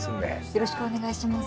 よろしくお願いします。